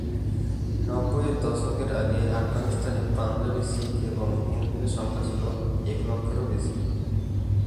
নব্বইয়ের দশকের আগে আফগানিস্তানে পাঞ্জাবী শিখ এবং হিন্দুদের সংখ্যা ছিল এক লক্ষেরও বেশি।